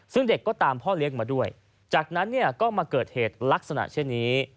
ซึ่งเด็กก็ตามพ่อเลี้ยงมาด้วยจากนั้นเนี่ยก็มาเกิดเหตุลักษณะเช่นนี้